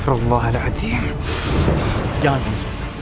adalah hal terbukti dengan kepenghianar pengetahuan warahan sendiri